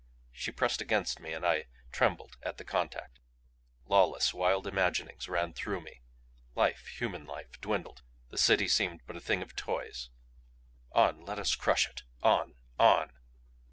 She pressed against me, and I trembled at the contact. Lawless, wild imaginings ran through me. Life, human life, dwindled. The City seemed but a thing of toys. On let us crush it! On on!